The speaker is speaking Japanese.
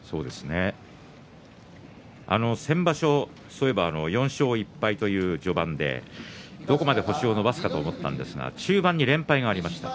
先場所、そういえば４勝１敗という序盤でどこまで星を伸ばすかと思ったんですが中盤に連敗がありました。